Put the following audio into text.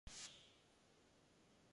It was the first capital of Minas Gerais.